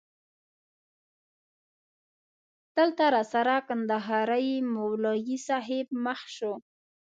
دلته راسره کندهاری مولوی صاحب مخ شو.